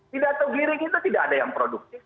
tidak tahu giring itu tidak ada yang produktif